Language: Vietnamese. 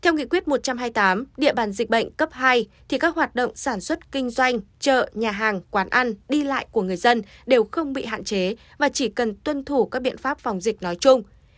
theo nghị quyết một trăm hai mươi tám địa bàn dịch bệnh cấp hai thì các hoạt động sản xuất kinh doanh chợ nhà hàng quán ăn đi lại của người dân đều không bị hạn chế và chỉ cần tuân thủ các biện pháp phòng dịch nói chung